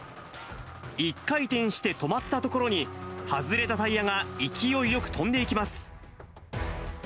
一回転して止まったところに、外れたタイヤが勢いよく飛んでいきます。